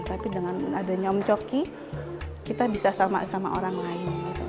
tapi dengan ada nyom coki kita bisa sama sama orang lain gitu